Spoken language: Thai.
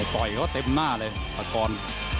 ต่อยเขาเต็มหน้าเลยตะกร